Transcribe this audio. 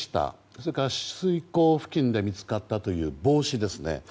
それから取水口付近で見つかったという帽子ですね。